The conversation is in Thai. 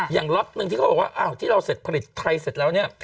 ล็อตหนึ่งที่เขาบอกว่าอ้าวที่เราเสร็จผลิตไทยเสร็จแล้วเนี่ย